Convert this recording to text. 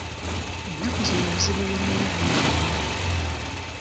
Ennaku zino ebizibu bye nnina bingi nnyo.